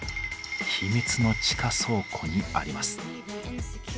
ヒミツの地下倉庫にあります。